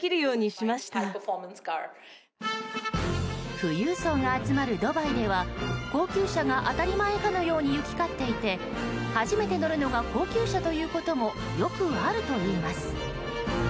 富裕層が集まるドバイでは高級車が当たり前かのように行き交っていて初めて乗るのが高級車ということもよくあるといいます。